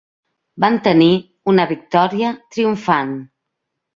Van tenir una victòria triomfant.